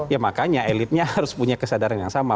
ya makanya elitnya harus punya kesadaran yang sama